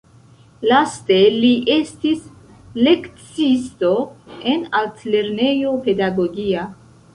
Laste li estis lekciisto en altlernejo pedagogia.